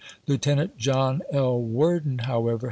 Lientenant John L. Worden, however, v."">